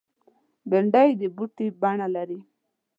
بېنډۍ د بوټي بڼه لري